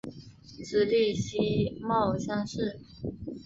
直隶辛卯乡试。